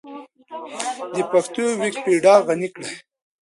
د پښتو ويکيپېډيا غني کړئ.